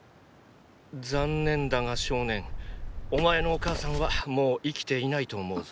残念だが少年お前のお母さんはもう生きていないと思うぞ。